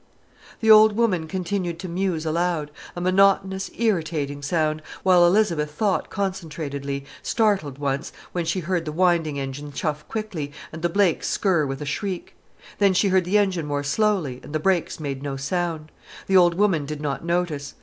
The old woman continued to muse aloud, a monotonous irritating sound, while Elizabeth thought concentratedly, startled once, when she heard the winding engine chuff quickly, and the brakes skirr with a shriek. Then she heard the engine more slowly, and the brakes made no sound. The old woman did not notice.